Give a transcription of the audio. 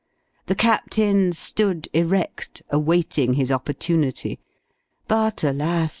The Captain stood erect, awaiting his opportunity; but, alas!